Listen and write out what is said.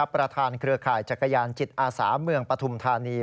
เครือข่ายจักรยานจิตอาสาเมืองปฐุมธานี